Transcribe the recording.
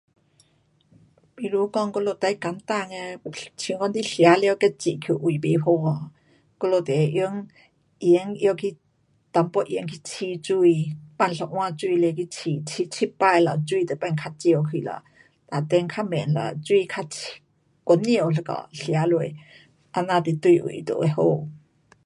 比如讲我们最简单的，像讲你吃了给止去胃不好 um，我们就会用盐，拿去，一点盐去试水。放一碗水了去试，试七次了水就变较少去了。哒等较慢了水较 um 温烧一下吃下。这样会对胃就会好。